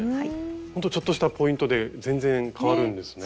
ほんとちょっとしたポイントで全然変わるんですね。ね！